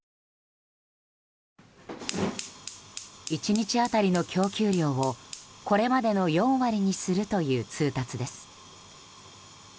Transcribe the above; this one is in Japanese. １日当たりの供給量をこれまでの４割にするという通達です。